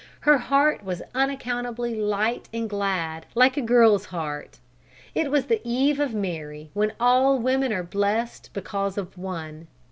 Her heart was unaccountably light and glad, like a girl's heart. It was the Eve of Mary when all women are blest because of one.